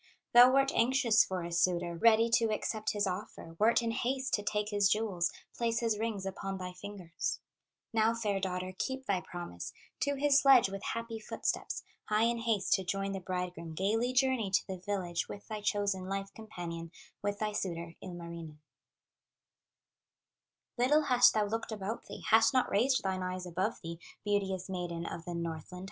"Thou wert anxious for a suitor, Ready to accept his offer, Wert in haste to take his jewels, Place his rings upon thy fingers; Now, fair daughter, keep thy promise; To his sledge, with happy footsteps, Hie in haste to join the bridegroom, Gaily journey to the village With thy chosen life companion, With thy suitor, Ilmarinen. Little hast thou looked about thee, Hast not raised thine eyes above thee, Beauteous maiden of the Northland.